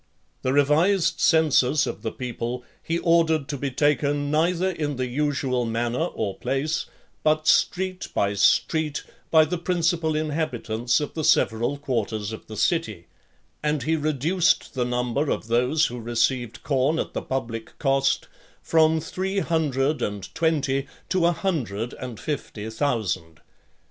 The revised census of the people he ordered to be taken neither in the usual manner or place, but street by street, by the principal inhabitants of the several quarters of the city; and he reduced the number of those who received corn at the public cost, from three hundred and twenty, to a hundred and fifty, thousand.